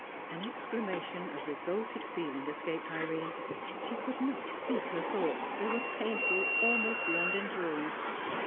An exclamation of revolted feeling escaped Irene. She could not speak her thoughts; they were painful almost beyond endurance.